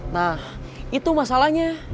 nah itu masalahnya